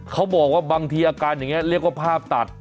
เขาบอกว่าบางทีอาการเรียกว่าภาพตัด